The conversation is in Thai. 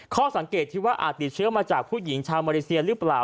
ข้อสังเกตที่ว่าอาจติดเชื้อมาจากผู้หญิงชาวมาเลเซียหรือเปล่า